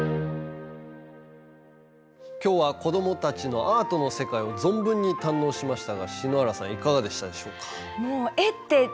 今日は子どもたちのアートの世界を存分に堪能しましたが篠原さんいかがでしたでしょうか？